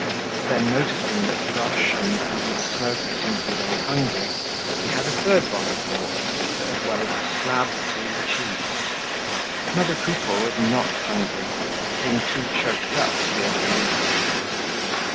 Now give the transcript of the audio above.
Then, noticing that Boche and Bibi the Smoker seemed to be very hungry, he had a third bottle brought, as well as a slab of brie cheese. Mother Coupeau was not hungry, being too choked up to be able to eat.